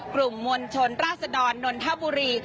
กลุ่มมวลชนราศดรนนทบุรี